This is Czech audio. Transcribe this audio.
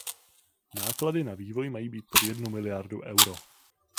Náklady na vývoj mají být pod jednu miliardu Euro.